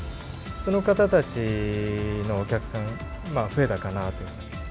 その方たちのお客さん、増えたかなと。